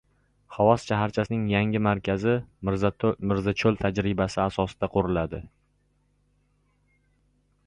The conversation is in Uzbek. Xovos shaharchasining yangi markazi «Mirzacho‘l tajribasi» asosida quriladi